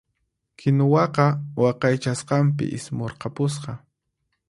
Kinuwaqa waqaychasqanpi ismurqapusqa.